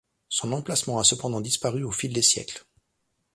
Son emplacement a cependant disparu au fil des siècles.